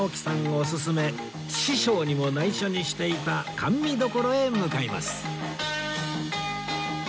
おすすめ師匠にも内緒にしていた甘味処へ向かいます